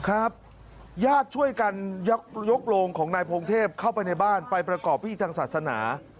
ครับญาติช่วยกันยกโรงของนายพงเทพเข้าไปในบ้านไปประกอบพิธีทางศาสนา